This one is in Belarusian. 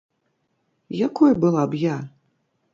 Якой была б я?